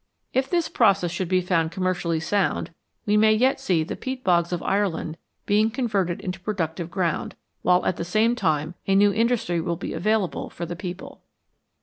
If this process should be found commercially sound, we may yet see the peat bogs of Ireland being converted into productive ground, while at the same time a new industry will be available for the people.